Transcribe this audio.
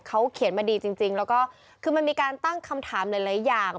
เขาเขียนมาดีจริงแล้วก็คือมันมีการตั้งคำถามหลายอย่าง